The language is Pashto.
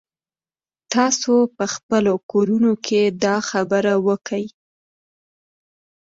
تاسو په خپلو کورونو کښې دا خبره وکئ.